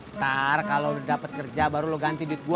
ntar kalau dapat kerja baru lo ganti duit gue